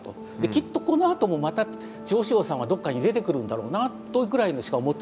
きっとこのあともまた趙紫陽さんはどっかに出てくるんだろうなというぐらいにしか思ってなかった。